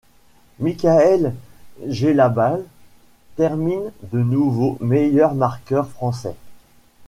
Mickaël Gelabale termine de nouveau meilleur marqueur français.